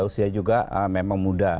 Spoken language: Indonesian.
usia juga memang muda